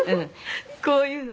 「こういうのね」